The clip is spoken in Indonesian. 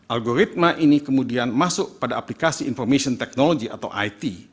algoritma ini kemudian masuk pada aplikasi information technology atau it